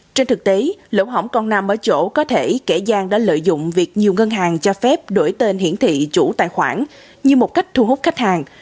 trên thực tế lỗ hỏng còn nằm ở chỗ có thể kẻ gian đã lợi dụng việc nhiều ngân hàng cho phép đổi tên hiển thị chủ tài khoản như một cách thu hút khách hàng